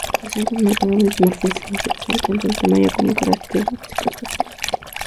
Presenta un marcado dimorfismo sexual, tanto en tamaño como en características faciales.